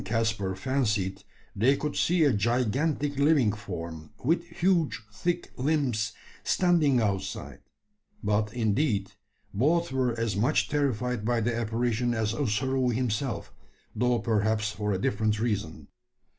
Karl and Caspar fancied they could see a gigantic living form, with huge thick limbs, standing outside; but, indeed, both were as much terrified by the apparition as Ossaroo himself, though perhaps for a different reason.